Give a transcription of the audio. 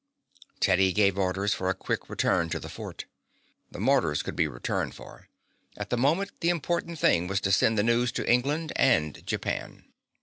Teddy gave orders for a quick return to the fort. The mortars could be returned for. At the moment the important thing was to send the news to England and Japan.